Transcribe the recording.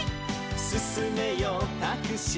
「すすめよタクシー」